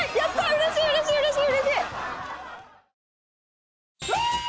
うれしいうれしいうれしい！